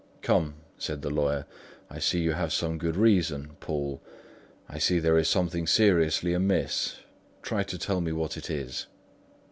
"Come," said the lawyer, "I see you have some good reason, Poole; I see there is something seriously amiss. Try to tell me what it is."